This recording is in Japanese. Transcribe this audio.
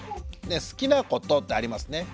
好きなことってありますね。